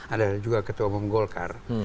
ada juga ketua umum golkar